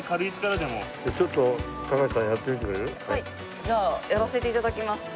じゃあやらせて頂きます。